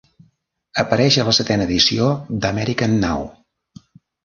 Apareix a la setena edició d'American Now!